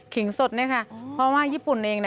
สดเนี่ยค่ะเพราะว่าญี่ปุ่นเอง